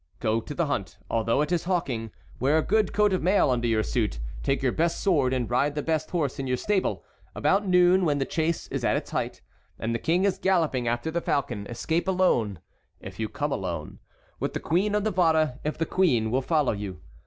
"Go to the hunt, although it is hawking; wear a good coat of mail under your suit; take your best sword and ride the best horse in your stable. About noon, when the chase is at its height, and the King is galloping after the falcon, escape alone if you come alone; with the Queen of Navarre if the queen will follow you.